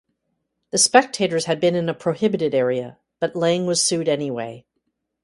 The spectators had been in a prohibited area but Lang was sued anyway.